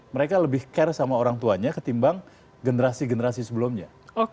mereka lebih care sama orang tuanya ketimbang generasi generasi sebelumnya